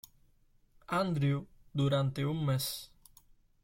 Andrew" durante un mes.